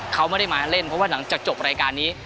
เขาไม่ได้มาเล่นเพราะว่าหลังจากจบรายการนี้